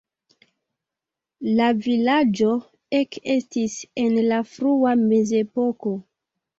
La vilaĝo ekestis en la frua Mezepoko.